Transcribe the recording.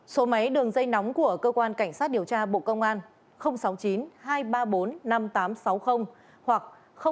số máy đường dây nóng của cơ quan cảnh sát điều tra bộ công an sáu mươi chín hai trăm ba mươi bốn năm nghìn tám trăm sáu mươi hoặc sáu mươi chín hai trăm ba mươi hai một nghìn sáu trăm bảy